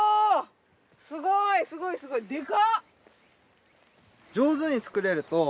すごいすごいすごいデカ！